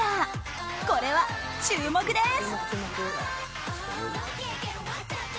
これは注目です。